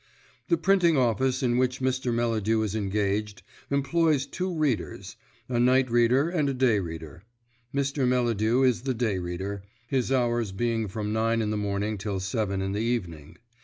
The printing office in which Mr. Melladew is engaged employs two readers, a night reader and a day reader. Mr. Melladew is the day reader, his hours being from nine in the morning till seven in the evening.